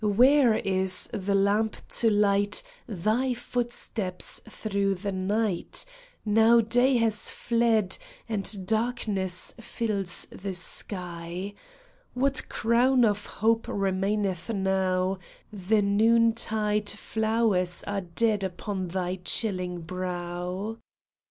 Where is the lamp to light Thy footsteps through the night Now day has fled and darkness fills the sky ? What crown of hope remaineth now The noontide flowers are dead upon thy chilling brow